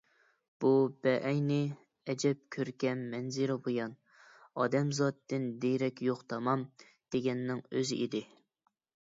بۇ بەئەينى، ئەجەب كۆركەم مەنزىرە بۇيان، ئادەمزاتتىن دېرەك يوق تامام، دېگەننىڭ ئۆزى ئىدى.